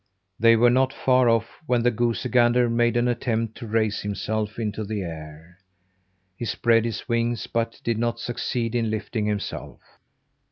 They were not far off when the goosey gander made an attempt to raise himself into the air. He spread his wings, but he did not succeed in lifting himself.